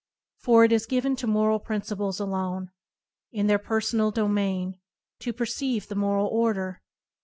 For it is given to moral principles alone, in their personal domain, to perceive the moral order.